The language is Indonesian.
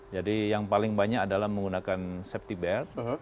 jadi yang paling banyak adalah menggunakan safety belt